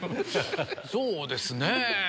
そうですね。